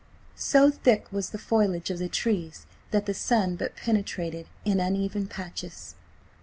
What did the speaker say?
So thick was the foliage of the trees that the sun but penetrated in uneven patches.